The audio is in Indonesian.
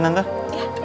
makan makan makan